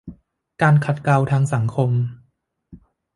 การขัดเกลาทางสังคม